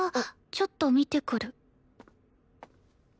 ちょっと見てくる。